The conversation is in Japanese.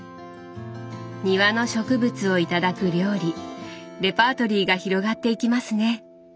庭の植物を頂く料理レパートリーが広がっていきますね。